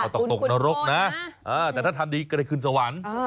ต้องตกนรกนะแต่ถ้าทำดีก็ได้ขึ้นสวรรค์